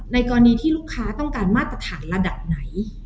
กรณีที่ลูกค้าต้องการมาตรฐานระดับไหน